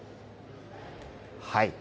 はい。